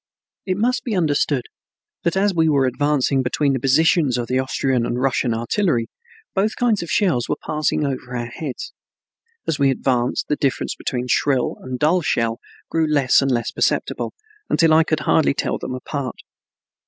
It must be understood that as we were advancing between the positions of the Austrian and Russian artillery, both kinds of shells were passing over our heads. As we advanced the difference between shrill and dull shell grew less and less perceptible, until I could hardly tell them apart.